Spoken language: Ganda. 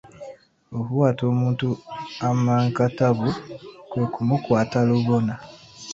Okukwata omuntu amankatabbu kwe kumukwata lubona.